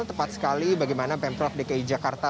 tepat sekali bagaimana pemprov dki jakarta